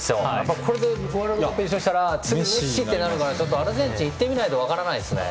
これで優勝したらメッシってなるからアルゼンチン行ってみないと分からないですね。